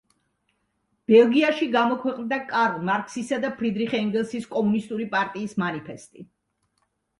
ბელგიაში გამოქვეყნდა კარლ მარქსისა და ფრიდრიხ ენგელსის „კომუნისტური პარტიის მანიფესტი“.